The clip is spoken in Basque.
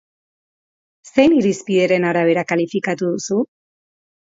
Zein irizpideren arabera kalifikatu duzu?